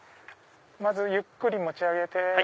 まずゆっくり持ち上げて。